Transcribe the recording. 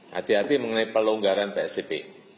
hati hati mengenai pelonggaran psbb